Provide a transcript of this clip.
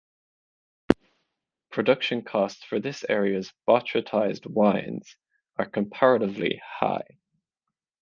Production costs for this area's botrytized wines are comparatively high.